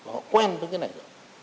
họ quen với cái này rồi